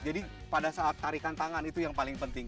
jadi pada saat tarikan tangan itu yang paling penting